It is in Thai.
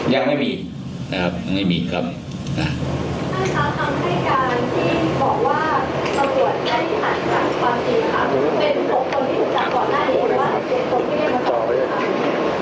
ยังไม่มีครับ